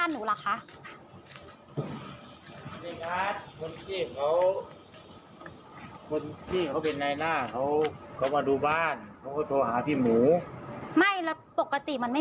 อยู่ดีมางัดกันแบบนี้ได้ด้วยเหรอคะไปดูคลิปกันหน่อยนะคะ